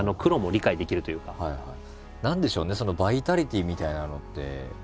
何でしょうねそのバイタリティーみたいなのって。